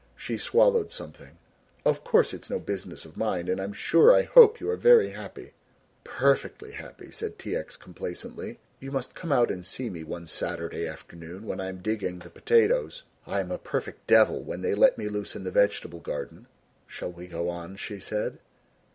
She swallowed something. "Of course it's no business of mine and I'm sure I hope you are very happy." "Perfectly happy," said T. X. complacently. "You must come out and see me one Saturday afternoon when I am digging the potatoes. I am a perfect devil when they let me loose in the vegetable garden." "Shall we go on?" she said.